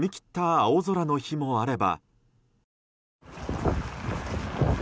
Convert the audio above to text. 青空の日もあれば。